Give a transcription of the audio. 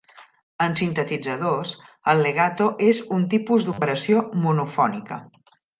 En sintetitzadors, el legato és un tipus d'operació monofònica.